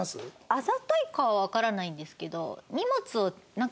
あざといかはわからないんですけど。